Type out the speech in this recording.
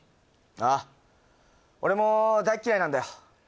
ああ俺も大嫌いなんだよ